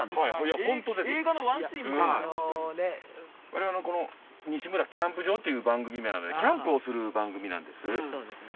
われわれ「西村キャンプ場」という番組なのでキャンプをする番組なんです。